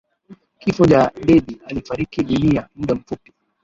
Kifo cha Déby alifariki dunia muda mfupi